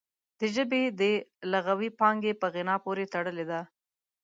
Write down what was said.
د ژبې د لغوي پانګې په غنا پورې تړلې ده